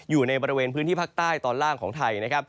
อยู่ในบริเวณพื้นที่ภาคใต้ตอนล่างของไทยนะครับ